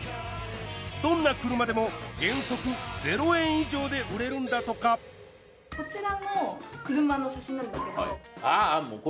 どんな車でも原則０円以上で売れるんだとかこちらの車の写真なんですけどあ